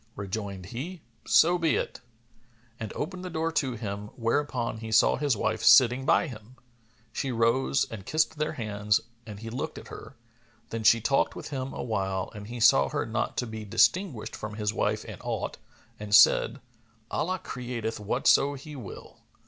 Rejoined he, "So be it," and opened the door to him, whereupon he saw his wife sitting by him. She rose and kissed their hands; and he looked at her; then she talked with him awhile and he saw her not to be distinguished from his wife in aught and said, "Allah createth whatso He will."